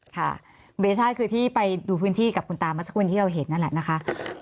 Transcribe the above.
ค่ะเบชาติคือที่ไปดูพื้นที่กับคุณตามาสักวันที่เราเห็นนั่นแหละนะคะ